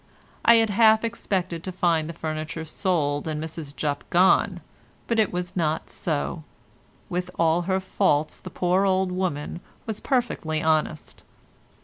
I had half expected to find the furniture sold and Mrs Jupp gone, but it was not so; with all her faults the poor old woman was perfectly honest.